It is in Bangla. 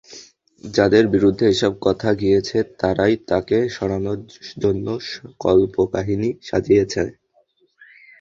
যাঁদের বিরুদ্ধে এসব কথা গিয়েছে, তাঁরাই তাঁকে সরানোর জন্য কল্পকাহিনি সাজিয়েছেন।